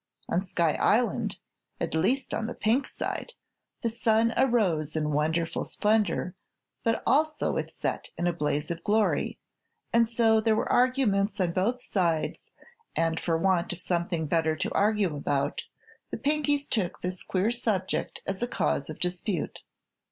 On Sky Island at least on the Pink side the sun arose in wonderful splendor, but also it set in a blaze of glory, and so there were arguments on both sides and for want of something better to argue about, the Pinkies took this queer subject as a cause of dispute.